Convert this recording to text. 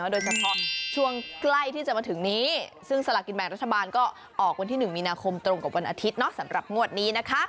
โดยเฉพาะช่วงใกล้ที่จะมาถึงนี้ซึ่งสลากินแบ่งรัฐบาลก็ออกวันที่๑มีนาคมตรงกับวันอาทิตย์สำหรับงวดนี้นะคะ